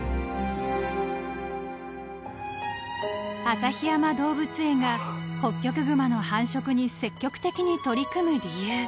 ［旭山動物園がホッキョクグマの繁殖に積極的に取り組む理由。